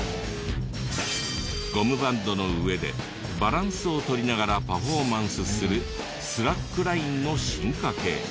ゴムバンドの上でバランスを取りながらパフォーマンスするスラックラインの進化系。